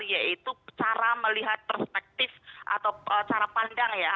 yaitu cara melihat perspektif atau cara pandang ya